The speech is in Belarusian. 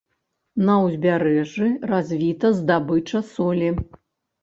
На ўзбярэжжы развіта здабыча солі.